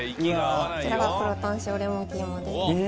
こちらが黒タン塩レモンキーマです。